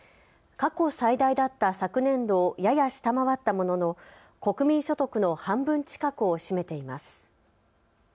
過去最大だった昨年度をやや下回ったものの国民所得の半分近くを占めています。